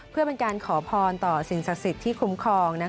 เพื่อเป็นการขอพรต่อศิลป์ศักริตที่คุ้มครอง